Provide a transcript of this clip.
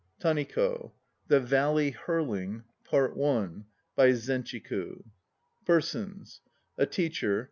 TANIKO (THE VALLEY HURLING) PART I By ZENCHIKU PERSONS A TEACHER.